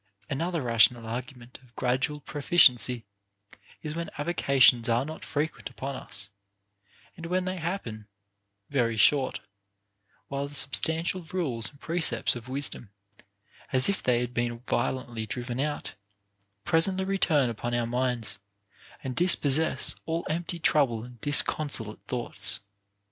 Another rational argument of gradual proficiency is when avocations are not frequent upon us, and when they hap pen, very short; while the substantial rules and precepts of wisdom, as if they had been violently driven out, presently return upon our minds, and dispossess all empty trouble and disconsolate thoughts.